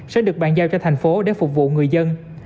sẽ được bàn giao cho thành phố để phục vụ người dân